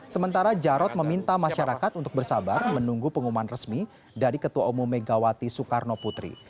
sementara jarod meminta masyarakat untuk bersabar menunggu pengumuman resmi dari ketua umum megawati soekarno putri